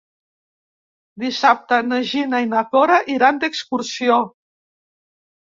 Dissabte na Gina i na Cora iran d'excursió.